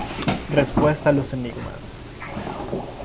Respuesta a los enigmas.